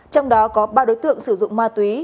trong đó có ba đối tượng sử dụng ma túy